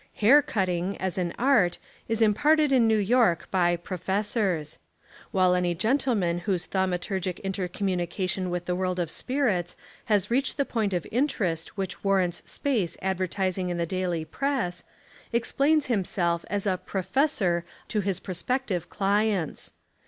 Hair cutting, as an art, is imparted in New York by "professors"; while any gentleman whose thaumaturgic intercom munication with the world of spirits has reached the point of interest which warrants space advertising in the daily press, explains himself as a "professor" to his prospective ch ents.